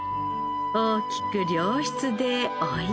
大きく良質で美味しい。